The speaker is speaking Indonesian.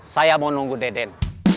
saya mau nunggu deden